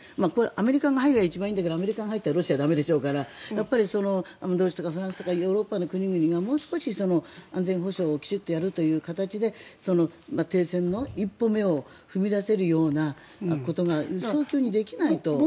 これはアメリカが入れば一番いいんだけどアメリカが入ったらロシアは駄目でしょうからやっぱりドイツとかフランスとかヨーロッパの国々がもう少し安全保障をきちんとやるという形で停戦の一歩目を踏み出せるようなことが早急にできないと。